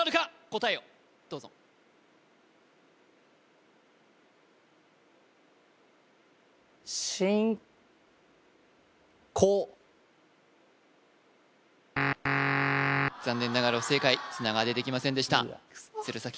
答えをどうぞ残念ながら不正解砂川出てきませんでしたうわ